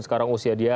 sekarang usia dia